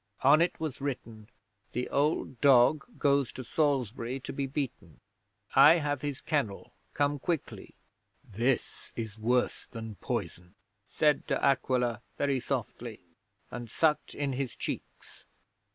On it was written: "The Old Dog goes to Salisbury to be beaten. I have his Kennel. Come quickly." '"This is worse than poison," said De Aquila, very softly, and sucked in his cheeks.